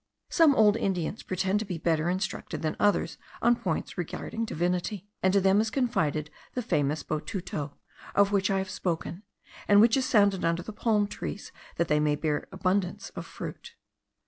Some old Indians pretend to be better instructed than others on points regarding divinity; and to them is confided the famous botuto, of which I have spoken, and which is sounded under the palm trees that they may bear abundance of fruit.